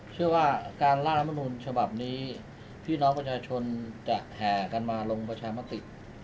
เชื่อว่าการร่างรัฐมนุนฉบับนี้พี่น้องประชาชนจะแห่กันมาลงประชามติ